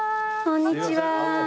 こんにちは。